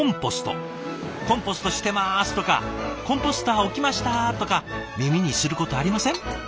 「コンポストしてます」とか「コンポスター置きました」とか耳にすることありません？